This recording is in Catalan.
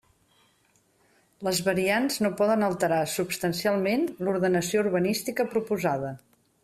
Les variants no poden alterar substancialment l'ordenació urbanística proposada.